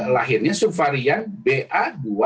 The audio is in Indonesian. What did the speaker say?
lahirnya subvarian ba dua tujuh puluh lima